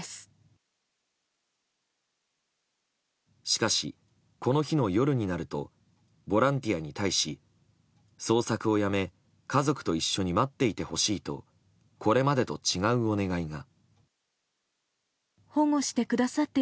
しかし、この日の夜になるとボランティアに対し捜索をやめ家族と一緒に待っていてほしいとこれまでと違うお願いが。